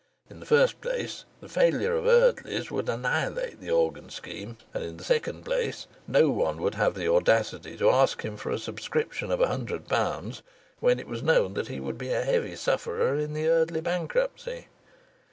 In the first place, the failure of Eardleys would annihilate the organ scheme, and in the second place no one would have the audacity to ask him for a subscription of a hundred pounds when it was known that he would be a heavy sufferer in the Eardley bankruptcy.